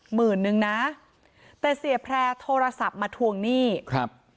หมื่นนึงนะแต่เสียแพร่โทรศัพท์มาทวงหนี้ครับ